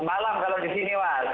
malam kalau di sini mas